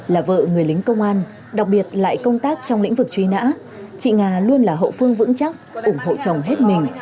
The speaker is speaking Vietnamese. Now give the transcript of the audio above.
là vợ người lính công an đặc biệt lại công tác trong lĩnh vực truy nã chị nga luôn là hậu phương vững chắc ủng hộ chồng hết mình